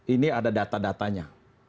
ini ada data datanya